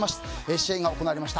試合が行われました